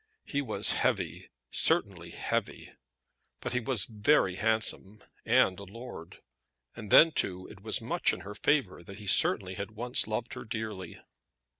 He was heavy, certainly heavy; but he was very handsome, and a lord; and then, too, it was much in her favour that he certainly had once loved her dearly.